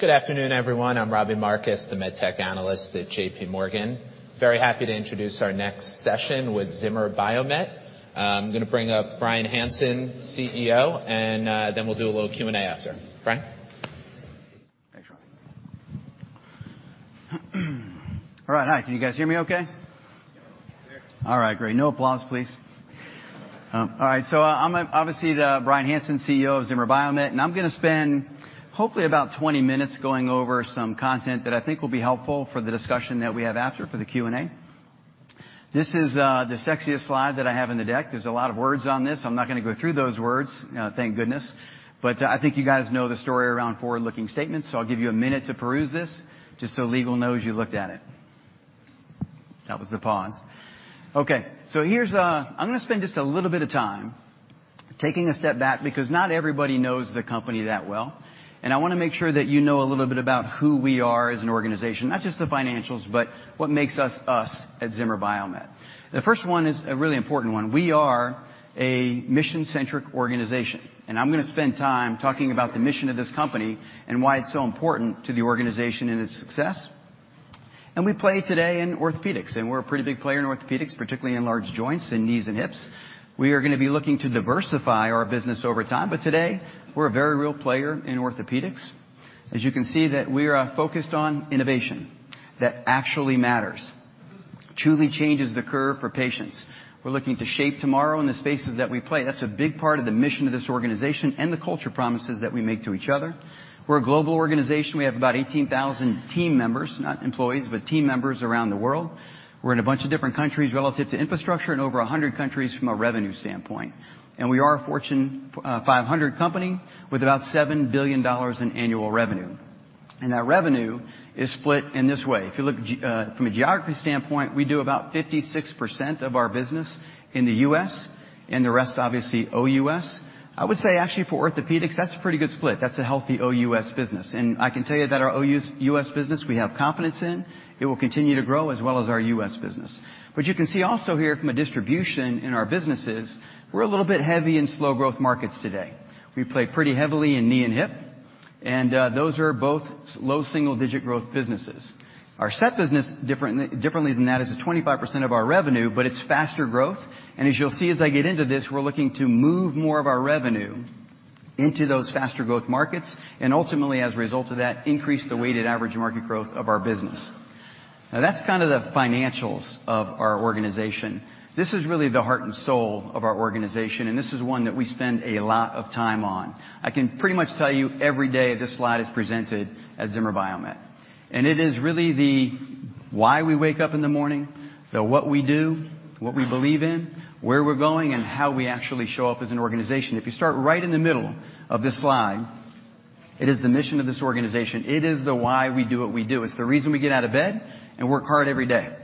Good afternoon, everyone. I'm Robbie Marcus, the medtech analyst at JPMorgan. Very happy to introduce our next session with Zimmer Biomet. I'm gonna bring up Bryan Hanson, CEO, and then we'll do a little Q&A after. Bryan. Thanks, Robbie. All right. Hi, can you guys hear me okay? Yes. All right. Great. No applause, please. All right. I'm obviously Bryan Hanson, CEO of Zimmer Biomet, and I'm gonna spend hopefully about 20 minutes going over some content that I think will be helpful for the discussion that we have after for the Q&A. This is the sexiest slide that I have in the deck. There's a lot of words on this. I'm not gonna go through those words, thank goodness. I think you guys know the story around forward-looking statements, so I'll give you a minute to peruse this just so legal knows you looked at it. That was the pause. Here's. I'm gonna spend just a little bit of time taking a step back because not everybody knows the company that well, and I wanna make sure that you know a little bit about who we are as an organization, not just the financials, but what makes us us at Zimmer Biomet. The first one is a really important one. We are a mission-centric organization, and I'm gonna spend time talking about the mission of this company and why it's so important to the organization and its success. We play today in orthopedics, and we're a pretty big player in orthopedics, particularly in large joints and knees and hips. We are gonna be looking to diversify our business over time, but today we're a very real player in orthopedics. As you can see that we are focused on innovation that actually matters, truly changes the curve for patients. We're looking to shape tomorrow in the spaces that we play. That's a big part of the mission of this organization and the culture promises that we make to each other. We're a global organization. We have about 18,000 team members, not employees, but team members around the world. We're in a bunch of different countries relative to infrastructure and over 100 countries from a revenue standpoint. We are a Fortune 500 company with about $7 billion in annual revenue. That revenue is split in this way. If you look from a geography standpoint, we do about 56% of our business in the U.S. and the rest, obviously, OUS. I would say actually for orthopedics, that's a pretty good split. That's a healthy OUS business. I can tell you that our OUS business we have confidence in. It will continue to grow as well as our U.S. business. You can see also here from a distribution in our businesses, we're a little bit heavy in slow growth markets today. We play pretty heavily in knee and hip, those are both low single digit growth businesses. Our S.E.T. business differently than that is a 25% of our revenue, but it's faster growth. As you'll see as I get into this, we're looking to move more of our revenue into those faster growth markets and ultimately, as a result of that, increase the weighted average market growth of our business. That's kind of the financials of our organization. This is really the heart and soul of our organization, and this is one that we spend a lot of time on. I can pretty much tell you every day this slide is presented at Zimmer Biomet. It is really the why we wake up in the morning, the what we do, what we believe in, where we're going, and how we actually show up as an organization. If you start right in the middle of this slide, it is the mission of this organization. It is the why we do what we do. It's the reason we get out of bed and work hard every day.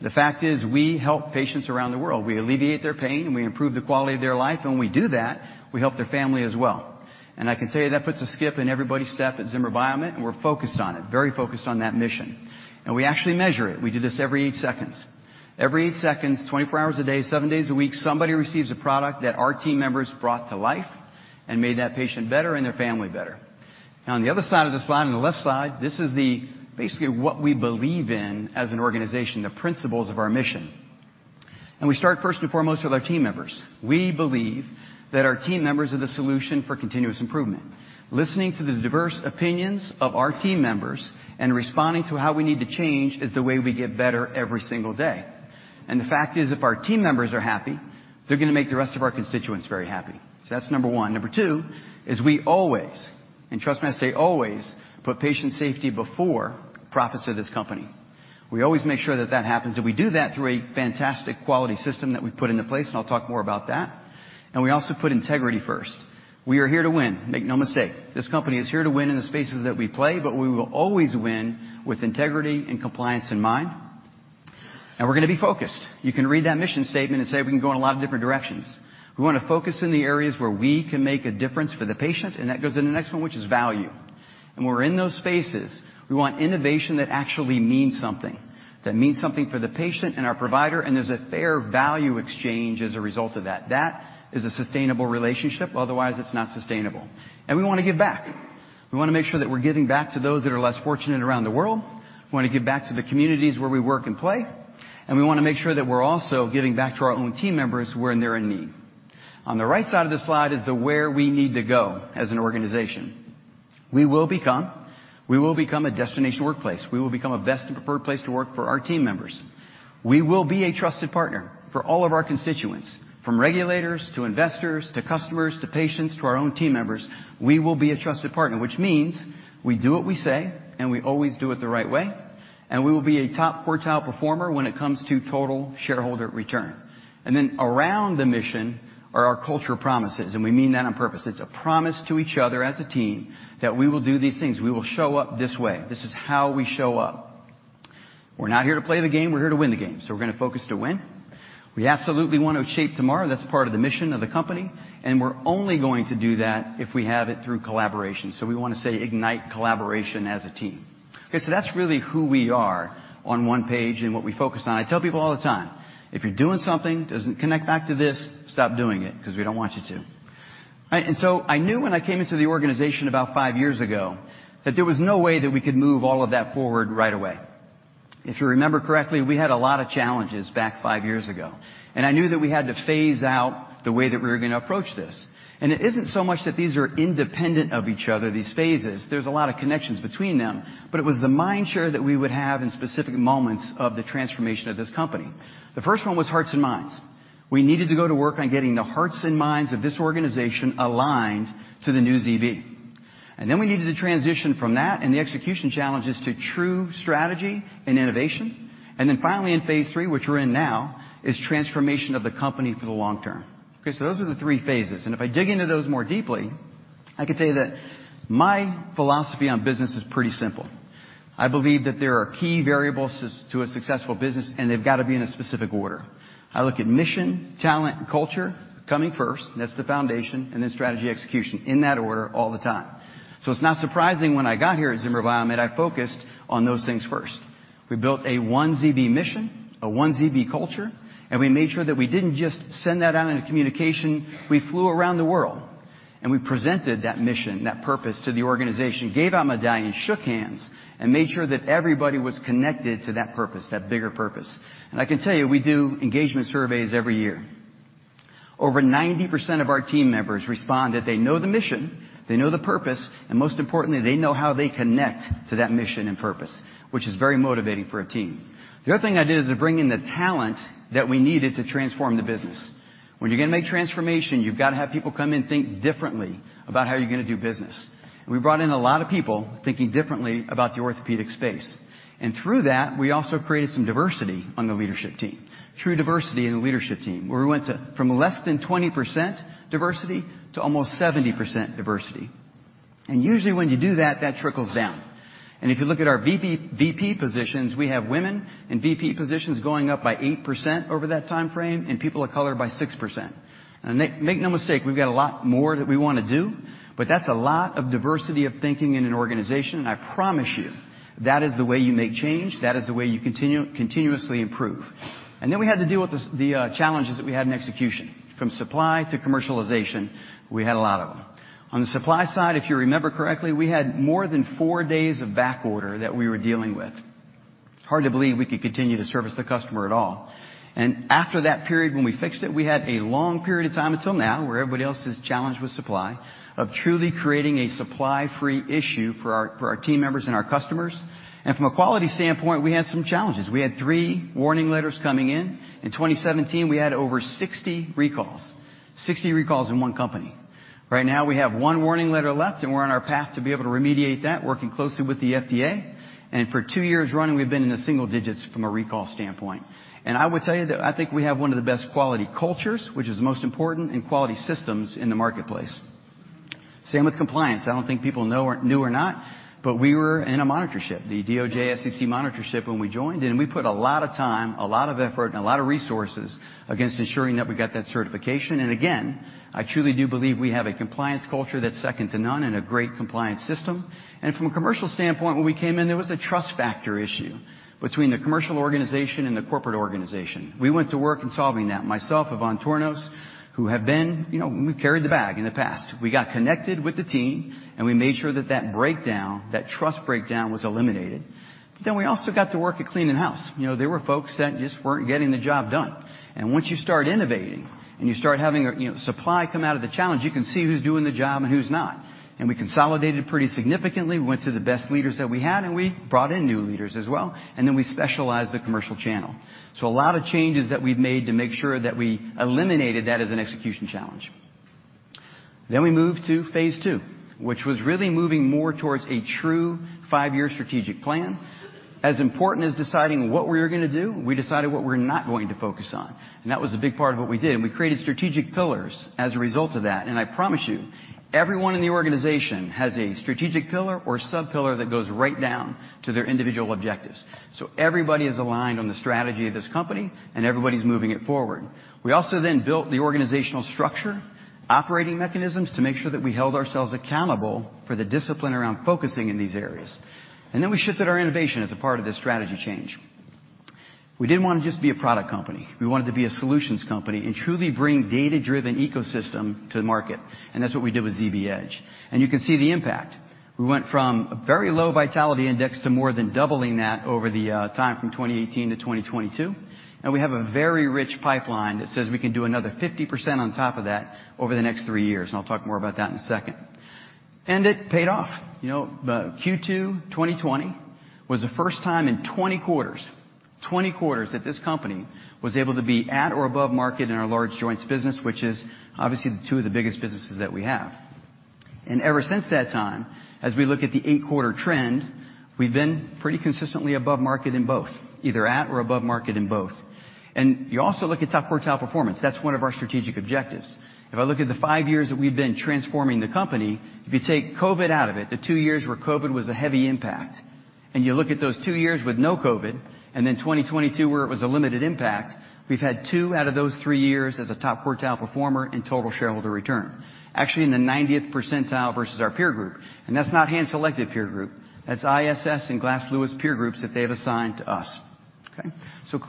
The fact is we help patients around the world. We alleviate their pain, and we improve the quality of their life. When we do that, we help their family as well. I can tell you that puts a skip in everybody's step at Zimmer Biomet, and we're focused on it, very focused on that mission. We actually measure it. We do this every eight seconds. Every eight seconds, 24 hours a day, seven days a week, somebody receives a product that our team members brought to life and made that patient better and their family better. Now on the other side of the slide, on the left side, this is basically what we believe in as an organization, the principles of our mission. We start first and foremost with our team members. We believe that our team members are the solution for continuous improvement. Listening to the diverse opinions of our team members and responding to how we need to change is the way we get better every single day. The fact is, if our team members are happy, they're gonna make the rest of our constituents very happy. That's number one. Number two is we always, and trust me, I say always, put patient safety before profits of this company. We always make sure that that happens, and we do that through a fantastic quality system that we've put into place, and I'll talk more about that. We also put integrity first. We are here to win. Make no mistake. This company is here to win in the spaces that we play, but we will always win with integrity and compliance in mind. We're gonna be focused. You can read that mission statement and say we can go in a lot of different directions. We wanna focus in the areas where we can make a difference for the patient. That goes into the next one, which is value. We're in those spaces. We want innovation that actually means something, that means something for the patient and our provider, and there's a fair value exchange as a result of that. That is a sustainable relationship. Otherwise, it's not sustainable. We wanna give back. We wanna make sure that we're giving back to those that are less fortunate around the world. We wanna give back to the communities where we work and play, and we wanna make sure that we're also giving back to our own team members when they're in need. On the right side of the slide is the where we need to go as an organization. We will become. We will become a destination workplace. We will become a best and preferred place to work for our team members. We will be a trusted partner for all of our constituents, from regulators to investors to customers to patients to our own team members. We will be a trusted partner, which means we do what we say, and we always do it the right way, and we will be a top quartile performer when it comes to total shareholder return. Around the mission are our culture promises, and we mean that on purpose. It's a promise to each other as a team that we will do these things. We will show up this way. This is how we show up. We're not here to play the game. We're here to win the game, so we're gonna focus to win. We absolutely want to shape tomorrow. That's part of the mission of the company, and we're only going to do that if we have it through collaboration. We want to say ignite collaboration as a team. Okay, that's really who we are on one page and what we focus on. I tell people all the time, if you're doing something, doesn't connect back to this, stop doing it because we don't want you to. Right? I knew when I came into the organization about five years ago that there was no way that we could move all of that forward right away. If you remember correctly, we had a lot of challenges back five years ago, and I knew that we had to phase out the way that we were going to approach this. It isn't so much that these are independent of each other, these phases. There's a lot of connections between them. It was the mind share that we would have in specific moments of the transformation of this company. The first one was hearts and minds. We needed to go to work on getting the hearts and minds of this organization aligned to the new ZB. Then we needed to transition from that and the execution challenges to true strategy and innovation. Then finally, in phase III, which we're in now, is transformation of the company for the long term. Okay, those are the three phases. If I dig into those more deeply, I could tell you that my philosophy on business is pretty simple. I believe that there are key variables to a successful business, and they've got to be in a specific order. I look at mission, talent, and culture coming first, and that's the foundation, and then strategy, execution in that order all the time. It's not surprising when I got here at Zimmer Biomet, I focused on those things first. We built a One ZB mission, a One ZB culture, and we made sure that we didn't just send that out in a communication. We flew around the world, and we presented that mission, that purpose to the organization, gave out medallions, shook hands, and made sure that everybody was connected to that purpose, that bigger purpose. I can tell you, we do engagement surveys every year. Over 90% of our team members respond that they know the mission, they know the purpose, and most importantly, they know how they connect to that mission and purpose, which is very motivating for a team. The other thing I did is to bring in the talent that we needed to transform the business. When you're gonna make transformation, you've got to have people come in, think differently about how you're gonna do business. We brought in a lot of people thinking differently about the orthopedic space. Through that, we also created some diversity on the leadership team. True diversity in the leadership team, where we went to from less than 20% diversity to almost 70% diversity. Usually when you do that trickles down. If you look at our VP positions, we have women in VP positions going up by 8% over that time frame and people of color by 6%. Make no mistake, we've got a lot more that we wanna do, but that's a lot of diversity of thinking in an organization. I promise you, that is the way you make change. That is the way you continuously improve. Then we had to deal with the challenges that we had in execution, from supply to commercialization. We had a lot of them. On the supply side, if you remember correctly, we had more than four days of back order that we were dealing with. It's hard to believe we could continue to service the customer at all. After that period, when we fixed it, we had a long period of time until now, where everybody else is challenged with supply, of truly creating a supply-free issue for our team members and our customers. From a quality standpoint, we had some challenges. We had three warning letters coming in. In 2017, we had over 60 recalls. 60 recalls in one company. Right now, we have one warning letter left, and we're on our path to be able to remediate that, working closely with the FDA. For two years running, we've been in the single digits from a recall standpoint. I would tell you that I think we have one of the best quality cultures, which is the most important in quality systems in the marketplace. Same with compliance. I don't think people knew or not, but we were in a monitorship, the DOJ, SEC monitorship, when we joined, and we put a lot of time, a lot of effort, and a lot of resources against ensuring that we got that certification. Again, I truly do believe we have a compliance culture that's second to none and a great compliance system. From a commercial standpoint, when we came in, there was a trust factor issue between the commercial organization and the corporate organization. We went to work in solving that. Myself, Ivan Tornos. You know, we carried the bag in the past. We got connected with the team, and we made sure that that breakdown, that trust breakdown was eliminated. We also got to work at cleaning house. You know, there were folks that just weren't getting the job done. Once you start innovating and you start having a, you know, supply come out of the challenge, you can see who's doing the job and who's not. We consolidated pretty significantly. We went to the best leaders that we had, and we brought in new leaders as well. Then we specialized the commercial channel. A lot of changes that we've made to make sure that we eliminated that as an execution challenge. We moved to phase II, which was really moving more towards a true five-year strategic plan. As important as deciding what we were going to do, we decided what we're not going to focus on, and that was a big part of what we did. We created strategic pillars as a result of that. I promise you, everyone in the organization has a strategic pillar or sub-pillar that goes right down to their individual objectives. Everybody is aligned on the strategy of this company, and everybody's moving it forward. We also then built the organizational structure, operating mechanisms to make sure that we held ourselves accountable for the discipline around focusing in these areas. We shifted our innovation as a part of this strategy change. We didn't want to just be a product company. We wanted to be a solutions company and truly bring data-driven ecosystem to the market. That's what we did with ZBEdge. You can see the impact. We went from a very low Vitality Index to more than doubling that over the time from 2018 to 2022. We have a very rich pipeline that says we can do another 50% on top of that over the next three years. I'll talk more about that in a second. It paid off. You know, Q2 2020 was the first time in 20 quarters that this company was able to be at or above market in our large joints business, which is obviously the two of the biggest businesses that we have. Ever since that time, as we look at the eight-quarter trend, we've been pretty consistently above market in both, either at or above market in both. You also look at top quartile performance. That's one of our strategic objectives. If I look at the five years that we've been transforming the company, if you take COVID out of it, the two years where COVID was a heavy impact, and you look at those two years with no COVID, and then 2022, where it was a limited impact, we've had two out of those three years as a top quartile performer in total shareholder return, actually in the 90th percentile versus our peer group. That's not hand-selected peer group. That's ISS and Glass Lewis peer groups that they've assigned to us. Okay?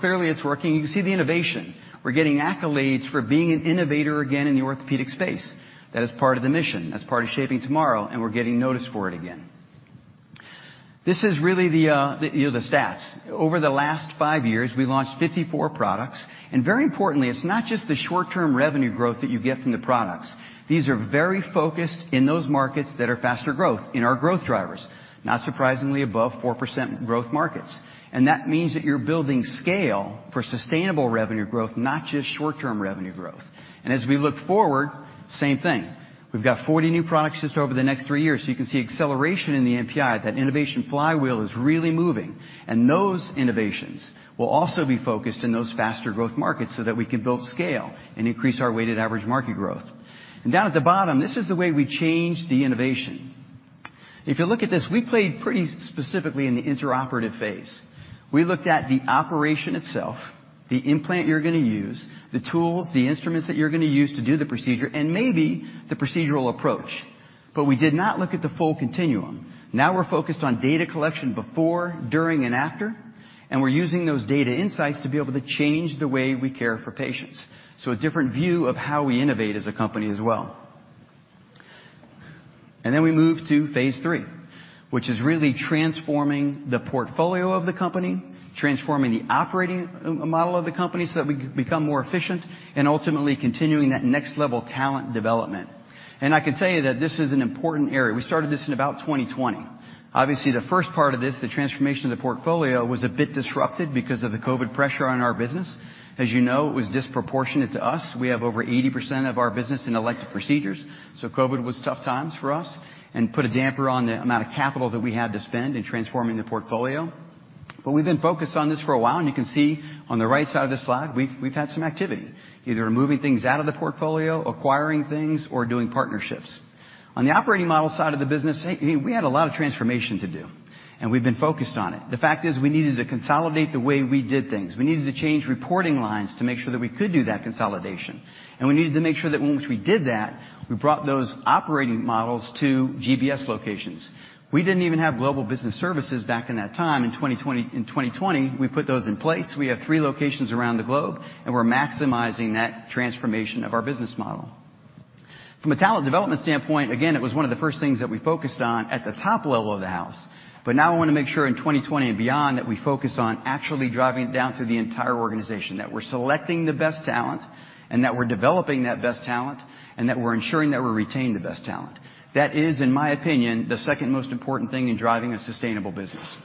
Clearly it's working. You can see the innovation. We're getting accolades for being an innovator again in the orthopedic space. That is part of the mission, that's part of shaping tomorrow, and we're getting noticed for it again. This is really the, you know, the stats. Over the last five years, we launched 54 products, and very importantly, it's not just the short-term revenue growth that you get from the products. These are very focused in those markets that are faster growth, in our growth drivers. Not surprisingly, above 4% growth markets. That means that you're building scale for sustainable revenue growth, not just short-term revenue growth. As we look forward, same thing. We've got 40 new products just over the next three years. You can see acceleration in the NPI. That innovation flywheel is really moving, and those innovations will also be focused in those faster growth markets so that we can build scale and increase our weighted average market growth. Down at the bottom, this is the way we change the innovation. If you look at this, we played pretty specifically in the intraoperative phase. We looked at the operation itself, the implant you're gonna use, the tools, the instruments that you're gonna use to do the procedure, and maybe the procedural approach. We did not look at the full continuum. Now we're focused on data collection before, during, and after, and we're using those data insights to be able to change the way we care for patients. A different view of how we innovate as a company as well. We move to phase III, which is really transforming the portfolio of the company, transforming the operating model of the company so that we become more efficient and ultimately continuing that next-level talent development. I can tell you that this is an important area. We started this in about 2020. Obviously, the first part of this, the transformation of the portfolio, was a bit disrupted because of the COVID pressure on our business. As you know, it was disproportionate to us. We have over 80% of our business in elective procedures, COVID was tough times for us and put a damper on the amount of capital that we had to spend in transforming the portfolio. We've been focused on this for a while, and you can see on the right side of this slide, we've had some activity, either removing things out of the portfolio, acquiring things, or doing partnerships. On the operating model side of the business, hey, we had a lot of transformation to do, and we've been focused on it. The fact is we needed to consolidate the way we did things. We needed to change reporting lines to make sure that we could do that consolidation, and we needed to make sure that once we did that, we brought those operating models to GBS locations. We didn't even have Global Business Services back in that time in 2020. In 2020, we put those in place. We have three locations around the globe, and we're maximizing that transformation of our business model. From a talent development standpoint, again, it was one of the first things that we focused on at the top level of the house. Now I wanna make sure in 2020 and beyond that we focus on actually driving it down through the entire organization, that we're selecting the best talent and that we're developing that best talent and that we're ensuring that we're retaining the best talent. That is, in my opinion, the second most important thing in driving a sustainable business.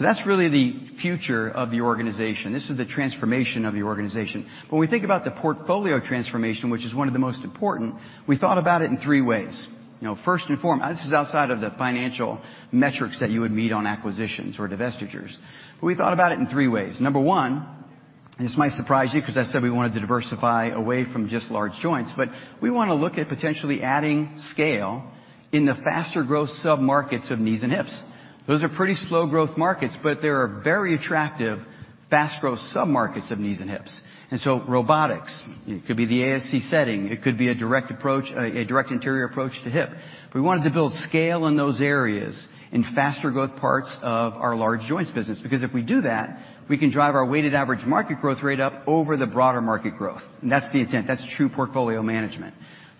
That's really the future of the organization. This is the transformation of the organization. When we think about the portfolio transformation, which is one of the most important, we thought about it in three ways. You know, first. This is outside of the financial metrics that you would meet on acquisitions or divestitures. We thought about it in three ways. Number one, this might surprise you because I said we wanted to diversify away from just large joints, but we wanna look at potentially adding scale in the faster growth sub-markets of knees and hips. Those are pretty slow growth markets, but they are very attractive fast growth sub-markets of knees and hips. Robotics, it could be the ASC setting, it could be a direct anterior approach to hip. We wanted to build scale in those areas in faster growth parts of our large joints business, because if we do that, we can drive our weighted average market growth rate up over the broader market growth. That's the intent. That's true portfolio management.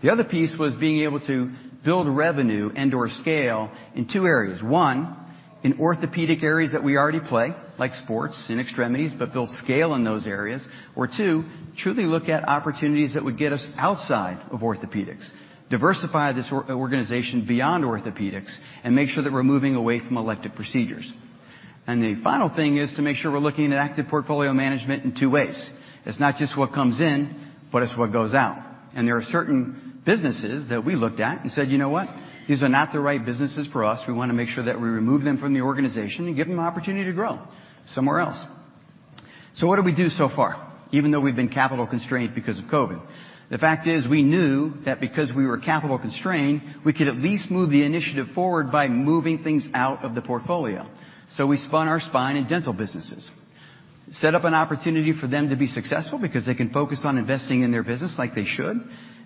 The other piece was being able to build revenue and/or scale in two areas. One, in orthopedic areas that we already play, like sports and extremities, but build scale in those areas. Two, truly look at opportunities that would get us outside of orthopedics, diversify this organization beyond orthopedics, and make sure that we're moving away from elective procedures. The final thing is to make sure we're looking at active portfolio management in two ways. It's not just what comes in, but it's what goes out. There are certain businesses that we looked at and said, "You know what? These are not the right businesses for us. We wanna make sure that we remove them from the organization and give them an opportunity to grow somewhere else." What did we do so far, even though we've been capital constrained because of COVID? The fact is we knew that because we were capital constrained, we could at least move the initiative forward by moving things out of the portfolio. We spun our spine and dental businesses, set up an opportunity for them to be successful because they can focus on investing in their business like they should,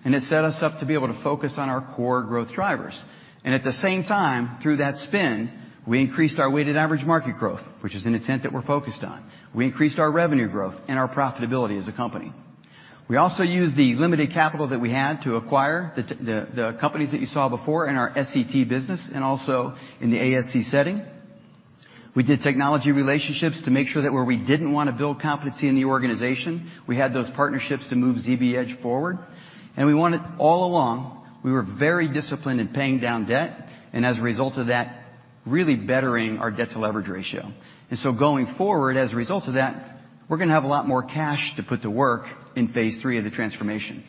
and it set us up to be able to focus on our core growth drivers. At the same time, through that spin, we increased our weighted average market growth, which is an intent that we're focused on. We increased our revenue growth and our profitability as a company. We also used the limited capital that we had to acquire the companies that you saw before in our SCT business and also in the ASC setting. We did technology relationships to make sure that where we didn't wanna build competency in the organization, we had those partnerships to move ZBEdge forward. We wanted all along, we were very disciplined in paying down debt, and as a result of that, really bettering our debt-to-leverage ratio. Going forward, as a result of that, we're gonna have a lot more cash to put to work in phase III of the transformation.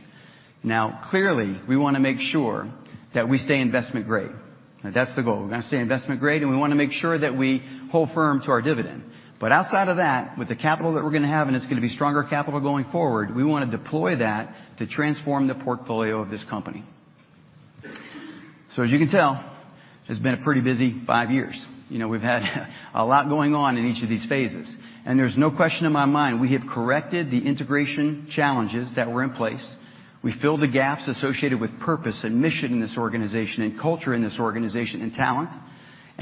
Now, clearly, we wanna make sure that we stay investment grade. That's the goal. We're gonna stay investment grade, and we wanna make sure that we hold firm to our dividend. Outside of that, with the capital that we're gonna have, and it's gonna be stronger capital going forward, we wanna deploy that to transform the portfolio of this company. As you can tell, it's been a pretty busy five years. You know, we've had a lot going on in each of these phases. There's no question in my mind we have corrected the integration challenges that were in place. We filled the gaps associated with purpose and mission in this organization and culture in this organization and talent.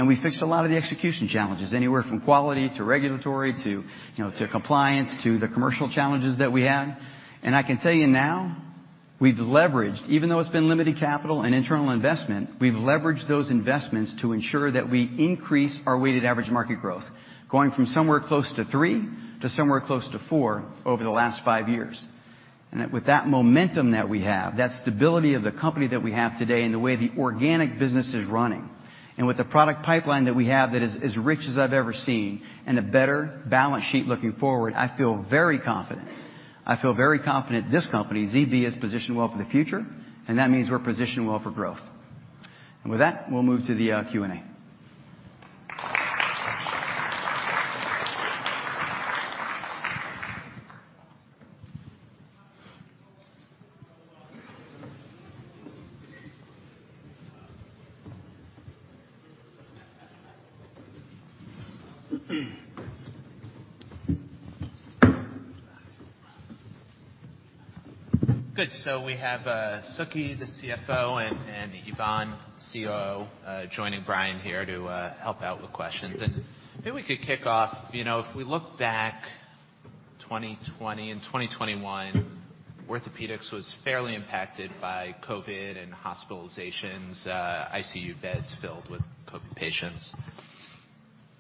We fixed a lot of the execution challenges, anywhere from quality to regulatory to, you know, to compliance to the commercial challenges that we had. I can tell you now. Even though it's been limited capital and internal investment, we've leveraged those investments to ensure that we increase our weighted average market growth, going from somewhere close to 3% to somewhere close to 4% over the last five years. With that momentum that we have, that stability of the company that we have today, and the way the organic business is running, and with the product pipeline that we have that is as rich as I've ever seen, and a better balance sheet looking forward, I feel very confident. I feel very confident this company, ZB, is positioned well for the future, and that means we're positioned well for growth. With that, we'll move to the Q&A. Good. We have, Suky, the CFO, and Ivan, COO, joining Bryan here to help out with questions. Maybe we could kick off, you know, if we look back 2020 and 2021, orthopedics was fairly impacted by COVID and hospitalizations, ICU beds filled with COVID patients.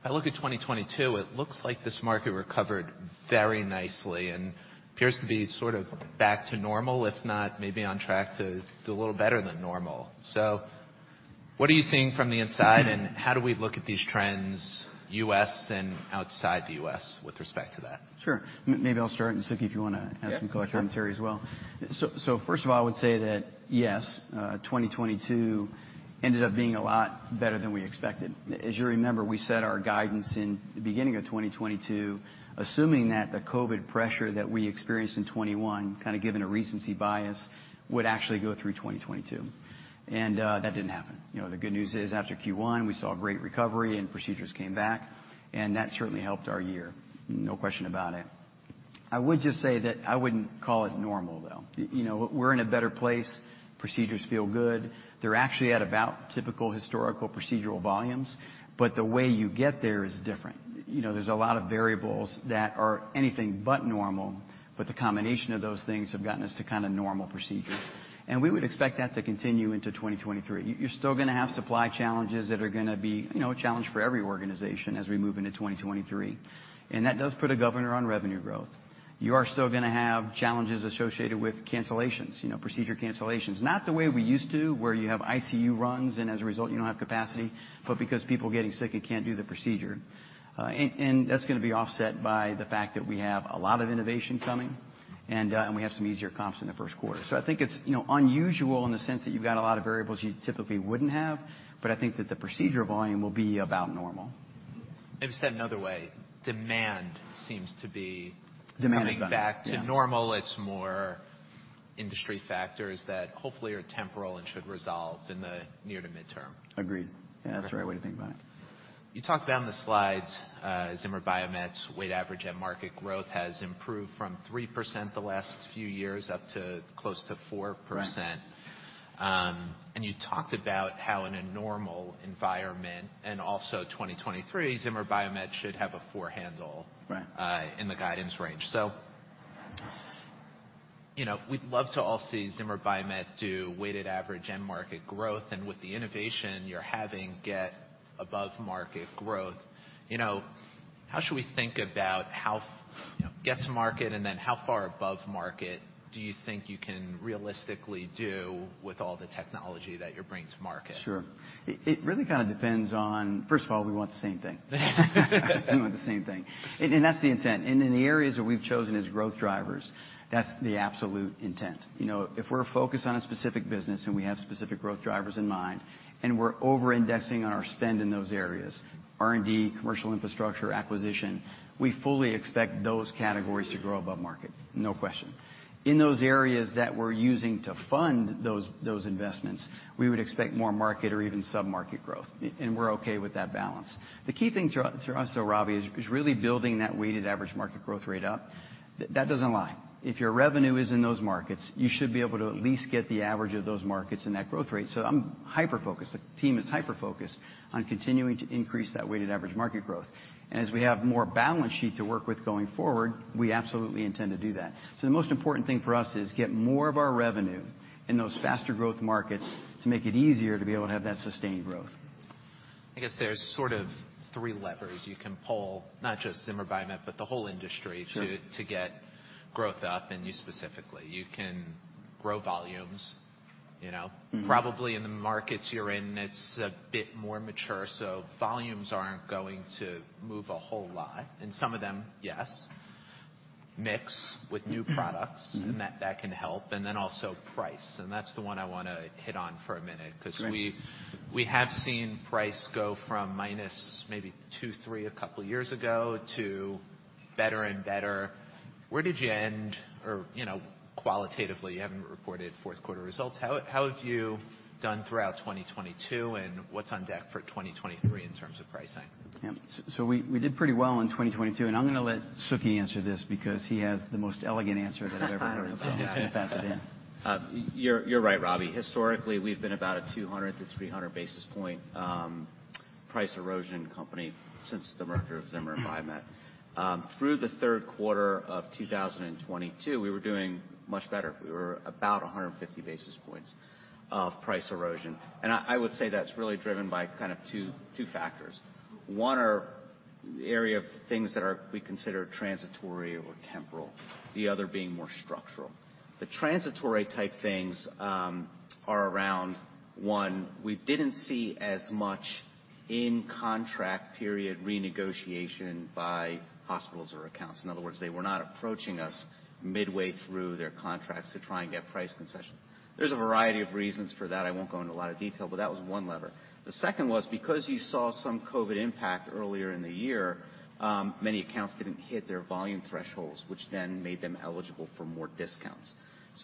I look at 2022, it looks like this market recovered very nicely and appears to be sort of back to normal, if not maybe on track to do a little better than normal. What are you seeing from the inside, and how do we look at these trends, U.S. and outside the U.S. with respect to that? Sure. Maybe I'll start, and Suky, if you wanna add some color commentary as well. So, first of all, I would say that, yes, 2022 ended up being a lot better than we expected. As you remember, we set our guidance in the beginning of 2022, assuming that the COVID pressure that we experienced in 2021, kinda given a recency bias, would actually go through 2022. That didn't happen. You know, the good news is, after Q1, we saw a great recovery and procedures came back, and that certainly helped our year, no question about it. I would just say that I wouldn't call it normal, though. You know, we're in a better place. Procedures feel good. They're actually at about typical historical procedural volumes, but the way you get there is different. You know, there's a lot of variables that are anything but normal, but the combination of those things have gotten us to kinda normal procedures. We would expect that to continue into 2023. You're still gonna have supply challenges that are gonna be, you know, a challenge for every organization as we move into 2023, and that does put a governor on revenue growth. You are still gonna have challenges associated with cancellations, you know, procedure cancellations. Not the way we used to, where you have ICU runs, and as a result, you don't have capacity, but because people are getting sick and can't do the procedure. That's gonna be offset by the fact that we have a lot of innovation coming and we have some easier comps in the first quarter. I think it's, you know, unusual in the sense that you've got a lot of variables you typically wouldn't have, but I think that the procedure volume will be about normal. If said another way, demand seems to be- Demand is back. Yeah. -Coming back to normal. It's more industry factors that hopefully are temporal and should resolve in the near to midterm. Agreed. Yeah, that's the right way to think about it. You talked about on the slides, Zimmer Biomet's weighted average at market growth has improved from 3% the last few years, up to close to 4%. Right. You talked about how in a normal environment, and also 2023, Zimmer Biomet should have a four handle. Right... In the guidance range. You know, we'd love to all see Zimmer Biomet do weighted average end market growth, and with the innovation you're having get above market growth. You know, how should we think about how, you know, get to market, and then how far above market do you think you can realistically do with all the technology that you're bringing to market? Sure. It really kinda depends on. First of all, we want the same thing. We want the same thing. That's the intent. In the areas that we've chosen as growth drivers, that's the absolute intent. You know, if we're focused on a specific business and we have specific growth drivers in mind, and we're over-indexing on our spend in those areas, R&D, commercial infrastructure, acquisition, we fully expect those categories to grow above market, no question. In those areas that we're using to fund those investments, we would expect more market or even sub-market growth, and we're okay with that balance. The key thing to us, though, Robbie, is really building that weighted average market growth rate up. That doesn't lie. If your revenue is in those markets, you should be able to at least get the average of those markets and that growth rate. I'm hyper-focused, the team is hyper-focused on continuing to increase that weighted average market growth. As we have more balance sheet to work with going forward, we absolutely intend to do that. The most important thing for us is get more of our revenue in those faster growth markets to make it easier to be able to have that sustained growth. I guess there's sort of three levers you can pull, not just Zimmer Biomet, but the whole industry. Sure... To get growth up and you specifically. You can grow volumes, you know. Mm-hmm. Probably in the markets you're in, it's a bit more mature, so volumes aren't going to move a whole lot. In some of them, yes. Mix with new products- Mm-hmm... And that can help, and then also price, and that's the one I wanna hit on for a minute. Right... 'Cause we have seen price go from minus maybe two, three a couple years ago to better and better. Where did you end or, you know, qualitatively, you haven't reported fourth quarter results, how have you done throughout 2022, and what's on deck for 2023 in terms of pricing? Yeah. We did pretty well in 2022, I'm gonna let Suky answer this because he has the most elegant answer that I've ever heard. Okay. I'm gonna pass it to him. You're right, Robbie. Historically, we've been about a 200-300 basis point price erosion company since the merger of Zimmer and Biomet. Through the third quarter of 2022, we were doing much better. We were about 150 basis points of price erosion. I would say that's really driven by kind of two factors. One are area of things that are-- we consider transitory or temporal, the other being more structural. The transitory type things, are around, one, we didn't see as much in contract period renegotiation by hospitals or accounts. In other words, they were not approaching us midway through their contracts to try and get price concessions. There's a variety of reasons for that. I won't go into a lot of detail, but that was one lever. The second was because you saw some COVID impact earlier in the year, many accounts didn't hit their volume thresholds, which then made them eligible for more discounts.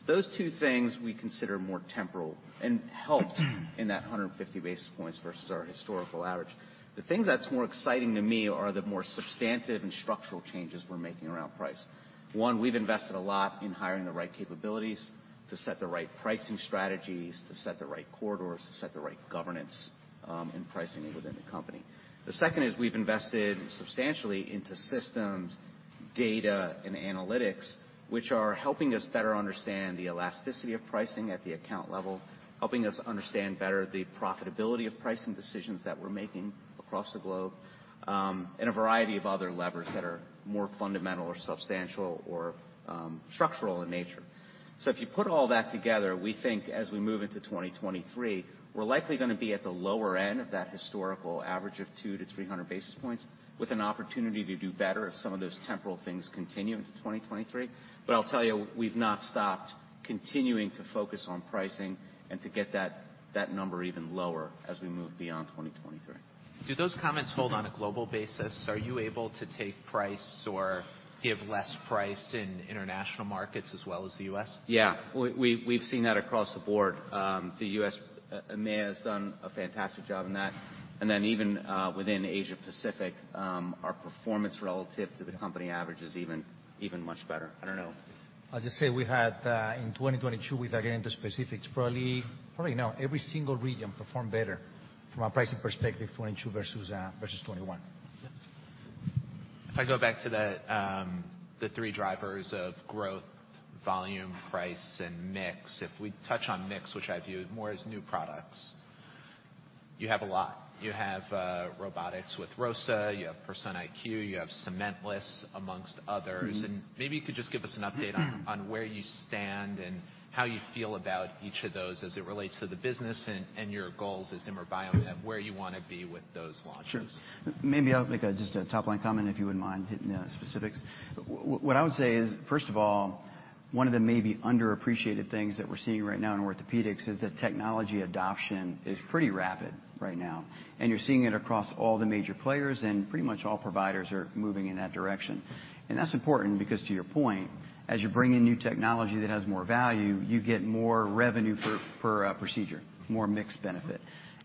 Those two things we consider more temporal and helped in that 150 basis points versus our historical average. The things that's more exciting to me are the more substantive and structural changes we're making around price. One, we've invested a lot in hiring the right capabilities to set the right pricing strategies, to set the right corridors, to set the right governance, in pricing within the company. The second is we've invested substantially into systems, data, and analytics, which are helping us better understand the elasticity of pricing at the account level, helping us understand better the profitability of pricing decisions that we're making across the globe, in a variety of other levers that are more fundamental or substantial or structural in nature. If you put all that together, we think as we move into 2023, we're likely gonna be at the lower end of that historical average of 200-300 basis points with an opportunity to do better if some of those temporal things continue into 2023. I'll tell you, we've not stopped continuing to focus on pricing and to get that number even lower as we move beyond 2023. Do those comments hold on a global basis? Are you able to take price or give less price in international markets as well as the U.S.? Yeah. We've seen that across the board. The U.S., EMEA has done a fantastic job in that. Even within Asia-Pacific, our performance relative to the company average is even much better. I don't know. I'll just say we had, in 2022, probably, you know, every single region performed better from a pricing perspective, 2022 versus 2021. If I go back to the three drivers of growth, volume, price, and mix. If we touch on mix, which I view more as new products, you have a lot. You have robotics with ROSA. You have Persona IQ. You have cementless, amongst others. Mm-hmm. Maybe you could just give us an update on where you stand and how you feel about each of those as it relates to the business and your goals as Zimmer Biomet, where you wanna be with those launches. Sure. Maybe I'll make a, just a top-line comment, if you wouldn't mind hitting the specifics. What I would say is, first of all, one of the maybe underappreciated things that we're seeing right now in orthopedics is that technology adoption is pretty rapid right now, and you're seeing it across all the major players, and pretty much all providers are moving in that direction. That's important because to your point, as you bring in new technology that has more value, you get more revenue for a procedure, more mix benefit.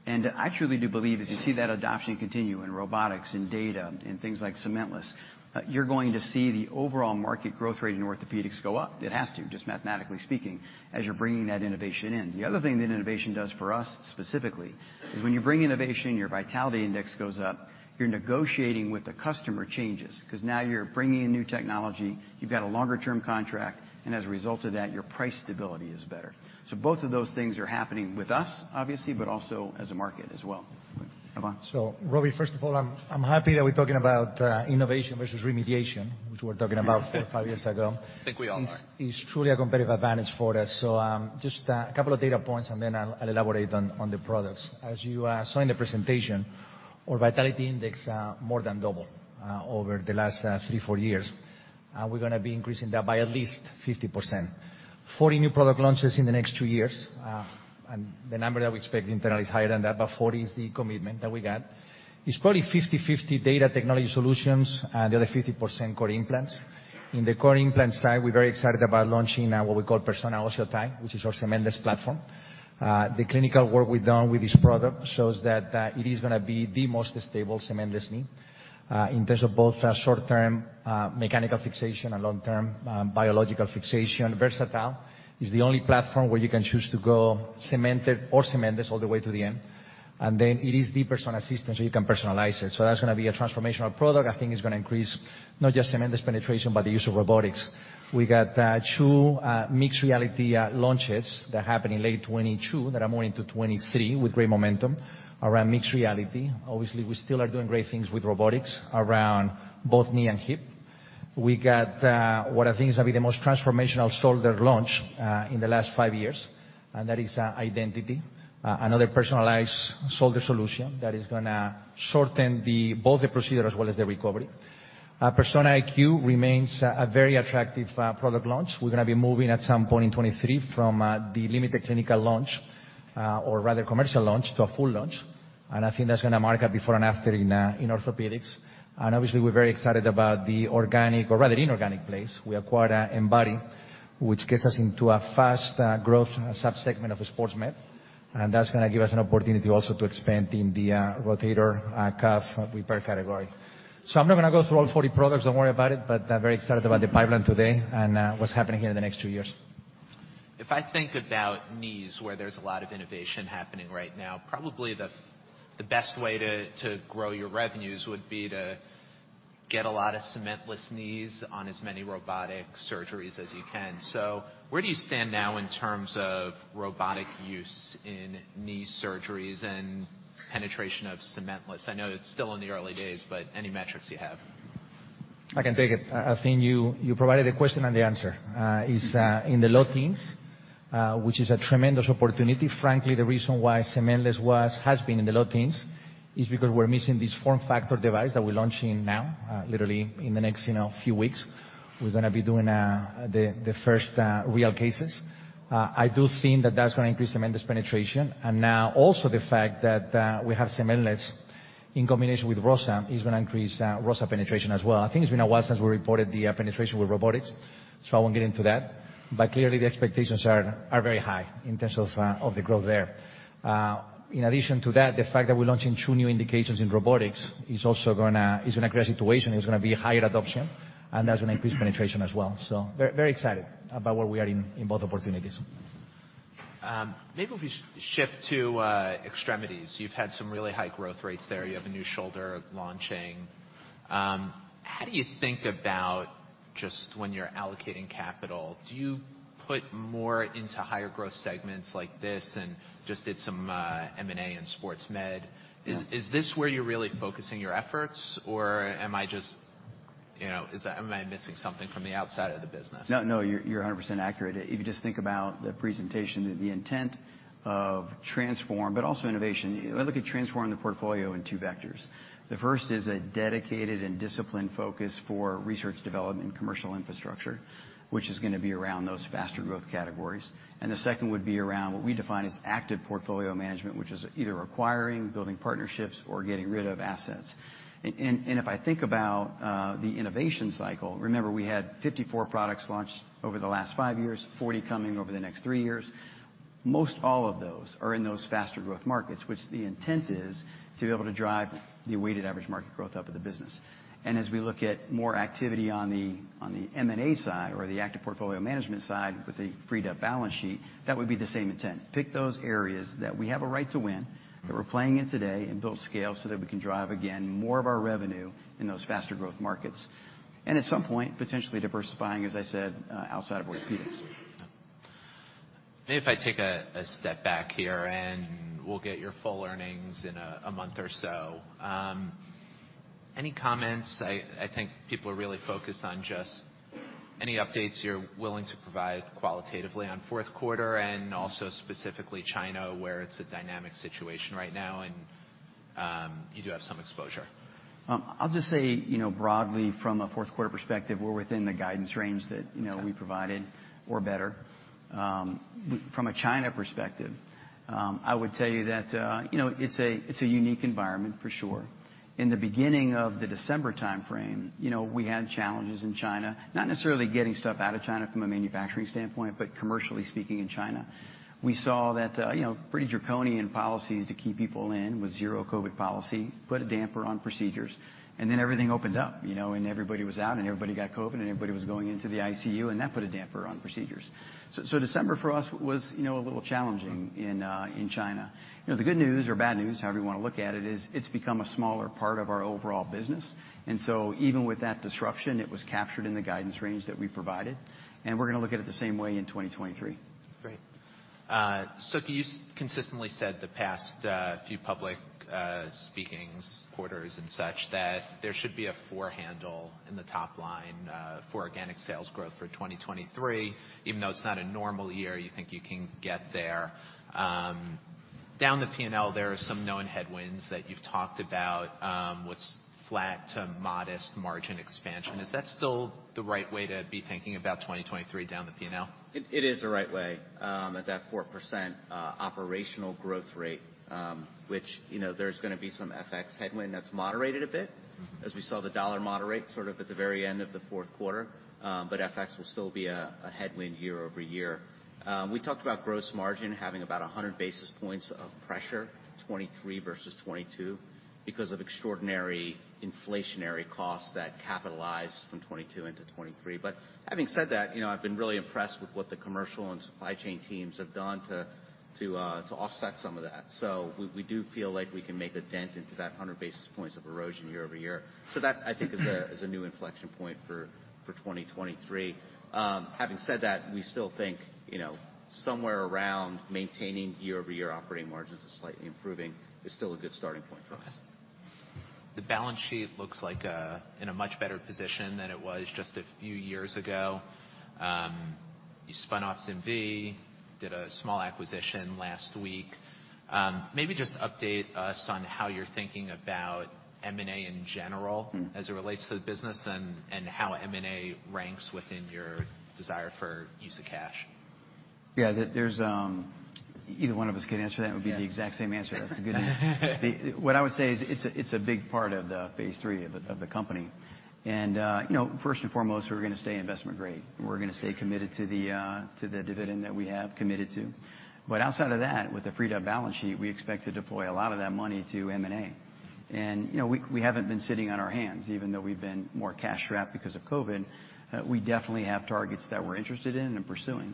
I truly do believe as you see that adoption continue in robotics and data and things like cementless, you're going to see the overall market growth rate in orthopedics go up. It has to, just mathematically speaking, as you're bringing that innovation in. The other thing that innovation does for us specifically is when you bring innovation, your Vitality Index goes up, you're negotiating with the customer changes, 'cause now you're bringing in new technology, you've got a longer-term contract, and as a result of that, your price stability is better. Both of those things are happening with us, obviously, but also as a market as well. Ivan? Robbie, first of all, I'm happy that we're talking about innovation versus remediation, which we're talking about, four or five years ago. I think we all are. It's truly a competitive advantage for us. Just a couple of data points, and then I'll elaborate on the products. As you saw in the presentation, our Vitality Index more than doubled over the last three, four years. We're gonna be increasing that by at least 50%. 40 new product launches in the next two years. The number that we expect internally is higher than that, but 40 is the commitment that we got. It's probably 50/50 data technology solutions, and the other 50% core implants. In the core implant side, we're very excited about launching what we call Persona OsseoTi, which is our cementless platform. The clinical work we've done with this product shows that it is gonna be the most stable cementless knee in terms of both short-term mechanical fixation and long-term biological fixation. Versatile. It's the only platform where you can choose to go cemented or cementless all the way to the end. It is the Persona system, so you can personalize it. That's gonna be a transformational product. I think it's gonna increase not just cementless penetration, but the use of robotics. We got two Mixed Reality launches that happened in late 2022, that are more into 2023 with great momentum around Mixed Reality. Obviously, we still are doing great things with robotics around both knee and hip. We got what I think is gonna be the most transformational shoulder launch in the last five years, and that is Identity, another personalized shoulder solution that is gonna shorten both the procedure as well as the recovery. Persona IQ remains a very attractive product launch. We're gonna be moving at some point in 2023 from the limited clinical launch, or rather commercial launch to a full launch. I think that's gonna mark a before and after in orthopedics. Obviously, we're very excited about the organic or rather inorganic place. We acquired Embody, which gets us into a fast growth subsegment of sports med, and that's gonna give us an opportunity also to expand in the rotator cuff repair category. I'm not gonna go through all 40 products, don't worry about it, but I'm very excited about the pipeline today and what's happening here in the next two years. If I think about knees where there's a lot of innovation happening right now, probably the best way to grow your revenues would be to get a lot of cementless knees on as many robotic surgeries as you can. Where do you stand now in terms of robotic use in knee surgeries and penetration of cementless? I know it's still in the early days, but any metrics you have. I can take it. I think you provided the question and the answer. It's in the low teens, which is a tremendous opportunity. Frankly, the reason why cementless has been in the low teens is because we're missing this form factor device that we're launching now, literally in the next, you know, few weeks. We're gonna be doing the first real cases. I do think that that's gonna increase cementless penetration. Now also the fact that we have cementless in combination with ROSA is gonna increase ROSA penetration as well. I think it's been a while since we reported the penetration with robotics, so I won't get into that. Clearly, the expectations are very high in terms of the growth there. In addition to that, the fact that we're launching two new indications in robotics is also gonna create a situation. There's gonna be a higher adoption, and that's gonna increase penetration as well. Very excited about where we are in both opportunities. Maybe if we shift to extremities. You've had some really high growth rates there. You have a new shoulder launching. How do you think about just when you're allocating capital? Do you put more into higher growth segments like this and just did some M&A in sports med? Yeah. Is this where you're really focusing your efforts, or am I just, you know, am I missing something from the outside of the business? No, no, you're a 100% accurate. If you just think about the presentation, the intent of transform, but also innovation. I look at transforming the portfolio in two vectors. The first is a dedicated and disciplined focus for research development and commercial infrastructure, which is gonna be around those faster growth categories. The second would be around what we define as active portfolio management, which is either acquiring, building partnerships, or getting rid of assets. If I think about the innovation cycle, remember, we had 54 products launched over the last five years, 40 coming over the next three years. Most all of those are in those faster growth markets, which the intent is to be able to drive the weighted average market growth up of the business. As we look at more activity on the, on the M&A side or the active portfolio management side with a freed up balance sheet, that would be the same intent. Pick those areas that we have a right to win, that we're playing in today, and build scale so that we can drive, again, more of our revenue in those faster growth markets. At some point, potentially diversifying, as I said, outside of orthopedics. Yeah. Maybe if I take a step back here. We'll get your full earnings in a month or so. Any comments? I think people are really focused on just any updates you're willing to provide qualitatively on fourth quarter and also specifically China, where it's a dynamic situation right now and you do have some exposure. I'll just say, you know, broadly from a fourth quarter perspective, we're within the guidance range that, you know, we provided or better. From a China perspective, I would tell you that, you know, it's a unique environment for sure. In the beginning of the December timeframe, you know, we had challenges in China, not necessarily getting stuff out of China from a manufacturing standpoint, but commercially speaking in China. We saw that, you know, pretty draconian policies to keep people in with zero-COVID policy, put a damper on procedures, and then everything opened up, you know, and everybody was out, and everybody got COVID, and everybody was going into the ICU, and that put a damper on procedures. December for us was, you know, a little challenging in China. You know, the good news or bad news, however you wanna look at it, is it's become a smaller part of our overall business. Even with that disruption, it was captured in the guidance range that we provided, and we're gonna look at it the same way in 2023. Great. Suky, you consistently said the past few public speakings, quarters and such, that there should be a four handle in the top line for organic sales growth for 2023. Even though it's not a normal year, you think you can get there. Down the P&L, there are some known headwinds that you've talked about, what's flat to modest margin expansion. Is that still the right way to be thinking about 2023 down the P&L? It is the right way, at that 4% operational growth rate, which, you know, there's gonna be some FX headwind that's moderated a bit as we saw the dollar moderate sort of at the very end of the fourth quarter. FX will still be a headwind year-over-year. We talked about gross margin having about 100 basis points of pressure, 2023 versus 2022, because of extraordinary inflationary costs that capitalize from 2022 into 2023. Having said that, you know, I've been really impressed with what the commercial and supply chain teams have done to offset some of that. We do feel like we can make a dent into that 100 basis points of erosion year-over-year. That, I think, is a new inflection point for 2023. Having said that, we still think, you know, somewhere around maintaining year-over-year operating margins and slightly improving is still a good starting point for us. Okay. The balance sheet looks like in a much better position than it was just a few years ago. You spun off ZimVie, did a small acquisition last week. Maybe just update us on how you're thinking about M&A in general- Mm. As it relates to the business and how M&A ranks within your desire for use of cash. Yeah. There's either one of us could answer that and it would be the exact same answer. That's the good news. What I would say is it's a big part of the phase III of the company. First and foremost, we're gonna stay investment grade. We're gonna stay committed to the dividend that we have committed to. Outside of that, with the freed up balance sheet, we expect to deploy a lot of that money to M&A. And we haven't been sitting on our hands even though we've been more cash-strapped because of COVID. We definitely have targets that we're interested in pursuing.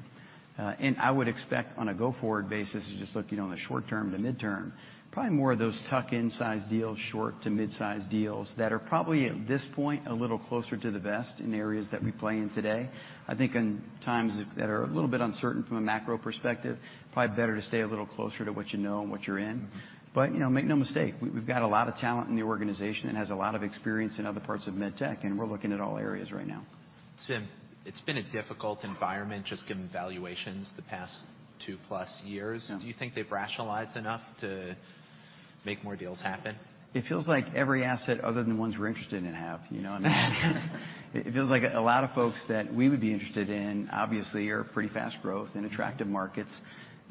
I would expect on a go-forward basis, just looking on the short-term to mid-term, probably more of those tuck-in size deals, short to midsize deals that are probably, at this point, a little closer to the vest in areas that we play in today. I think in times that are a little bit uncertain from a macro perspective, probably better to stay a little closer to what you know and what you're in. You know, make no mistake, we've got a lot of talent in the organization that has a lot of experience in other parts of med tech, and we're looking at all areas right now. Tim, it's been a difficult environment just given valuations the past two-plus years. Yeah. Do you think they've rationalized enough to make more deals happen? It feels like every asset other than ones we're interested in have, you know what I mean? It feels like a lot of folks that we would be interested in obviously are pretty fast growth in attractive markets,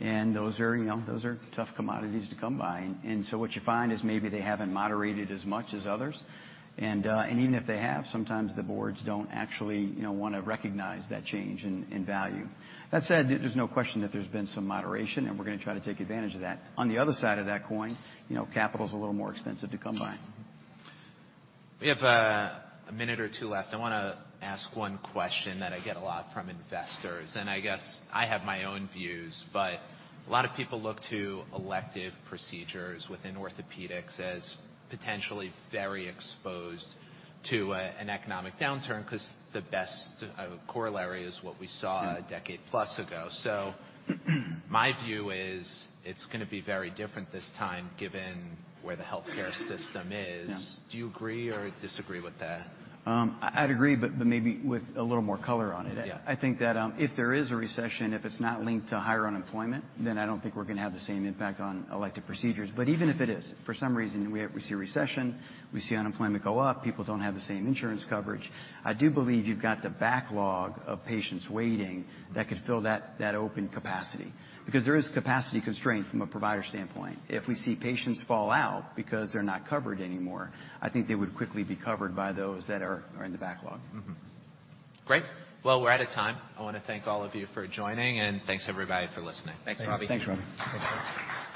and those are, you know, those are tough commodities to come by. So what you find is maybe they haven't moderated as much as others. Even if they have, sometimes the boards don't actually, you know, wanna recognize that change in value. That said, there's no question that there's been some moderation, and we're gonna try to take advantage of that. On the other side of that coin, you know, capital's a little more expensive to come by. We have a minute or two left. I wanna ask one question that I get a lot from investors, and I guess I have my own views, but a lot of people look to elective procedures within orthopedics as potentially very exposed to an economic downturn 'cause the best corollary is what we saw. Mm. -A decade plus ago. My view is, it's gonna be very different this time given where the healthcare system is. Yeah. Do you agree or disagree with that? I'd agree, but maybe with a little more color on it. Yeah. I think that, if there is a recession, if it's not linked to higher unemployment, then I don't think we're gonna have the same impact on elective procedures. Even if it is, for some reason, we see a recession, we see unemployment go up, people don't have the same insurance coverage, I do believe you've got the backlog of patients waiting that could fill that open capacity. There is capacity constraint from a provider standpoint. If we see patients fall out because they're not covered anymore, I think they would quickly be covered by those that are in the backlog. Great. We're out of time. I wanna thank all of you for joining, and thanks everybody for listening. Thanks, Robbie. Thanks, Robbie. Thanks.